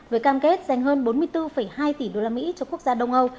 với cam kết dành hơn bốn mươi bốn hai tỷ usd cho quốc gia đông âu